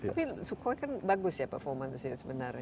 tapi sukhoi kan bagus ya performance nya sebenarnya